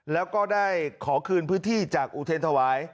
แล้วก็ได้ขอคืนพื้นที่จากอุเทรนธวาย